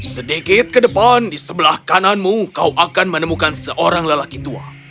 sedikit ke depan di sebelah kananmu kau akan menemukan seorang lelaki tua